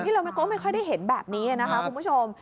เราก็ไม่ค่อยได้เห็นแบบนี้นะคะคุณผู้ชม